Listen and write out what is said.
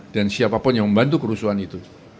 dan siapapun yang membantu kerusuhan itu